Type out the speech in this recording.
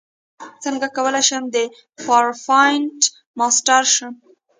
څنګه کولی شم د پاورپاینټ ماسټر شم